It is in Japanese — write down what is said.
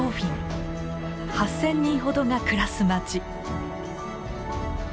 ８，０００人ほどが暮らす町。